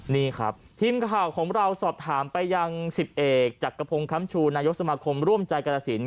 นี่ครับทีมข่าวของเราสอบถามไปยังสิบเอกจักรพงศ์คำชูนายกสมาคมร่วมใจกรสิน